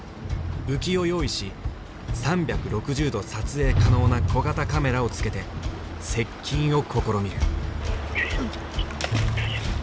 浮きを用意し３６０度撮影可能な小型カメラをつけて接近を試みる。